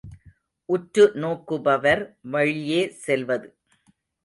உற்றுநோக்குபவர் வழியே செல்வது.